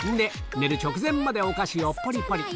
寝る直前までお菓子をポリポリ